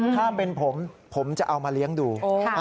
ถ้าเป็นผมผมจะเอามาเลี้ยงดู